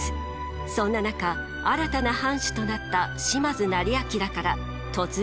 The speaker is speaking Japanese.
そんな中新たな藩主となった島津斉彬から突然の申し出が。